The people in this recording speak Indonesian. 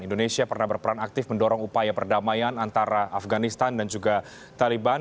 indonesia pernah berperan aktif mendorong upaya perdamaian antara afganistan dan juga taliban